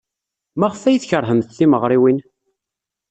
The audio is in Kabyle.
Maɣef ay tkeṛhemt timeɣriwin?